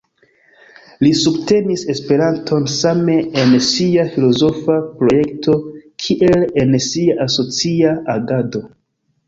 Li subtenis Esperanton same en sia filozofa projekto kiel en sia asocia agado.